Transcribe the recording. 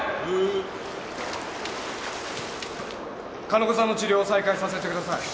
金子さんの治療を再開させてください